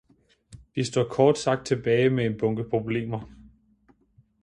Vi står kort sagt tilbage med en bunke problemer.